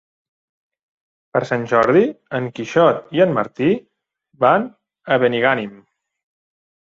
Per Sant Jordi en Quixot i en Martí van a Benigànim.